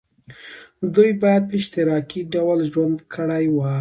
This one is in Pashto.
دوی باید په اشتراکي ډول ژوند کړی وای.